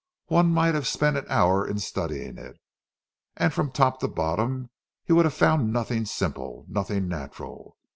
One might have spent an hour in studying it, and from top to bottom he would have found nothing simple, nothing natural.